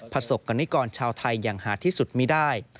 ประสบกรณิกรชาวไทยอย่างหาดที่สุดมีได้